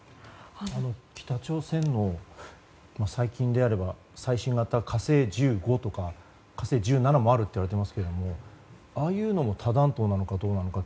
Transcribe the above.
北朝鮮の最近であれば最新型「火星１５」とか「火星１７」もあるといわれていますけれどもああいうのも多弾頭なのかどうか。